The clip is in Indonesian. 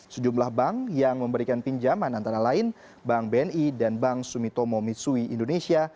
sejumlah bank yang memberikan pinjaman antara lain bank bni dan bank sumitomo mitsui indonesia